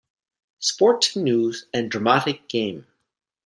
Sports and News" and "Dramatic Game".